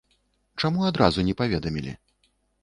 Чаму адразу не паведамілі?